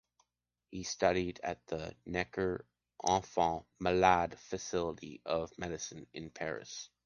He studied at the Necker-Enfants Malades faculty of medicine in Paris.